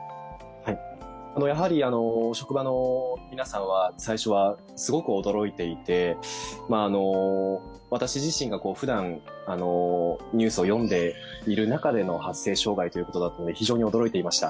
やはり職場の皆さんは、最初はすごく驚いていて、私自身がふだん、ニュースを読んでいる中での発声障害ということだったので非常に驚いていました、